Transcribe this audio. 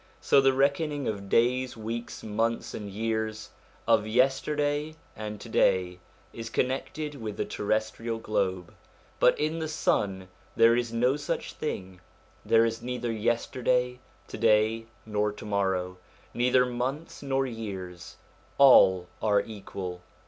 So the reckoning of days, weeks, months, and years, of yesterday and to day, is connected with the terrestrial globe; but in the sun there is no such thing there is neither yesterday, to day, nor to morrow, neither months nor years all are equal.